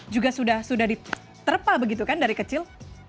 juga sudah diterpa begitu kan dari kecil